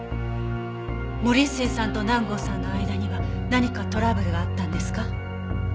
森末さんと南郷さんの間には何かトラブルがあったんですか？